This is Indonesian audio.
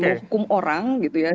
menghukum orang gitu ya